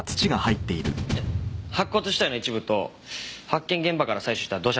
白骨遺体の一部と発見現場から採取した土砂です。